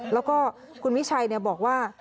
แล้วก็คุณวิชัยบอกว่า